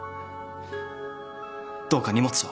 どうか荷物を。